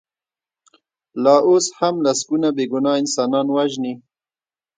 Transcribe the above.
لا اوس هم لسګونه بې ګناه انسانان وژني.